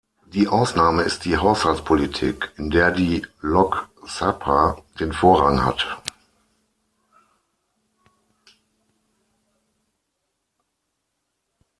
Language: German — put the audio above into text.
Die Ausnahme ist die Haushaltspolitik, in der die Lok Sabha den Vorrang hat.